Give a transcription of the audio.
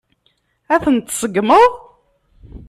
Ad ten-tseggmeḍ?